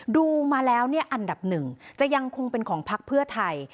ดูมาแล้วอันดับหนึ่งจะยังคงเป็นของพักเพื่อไทย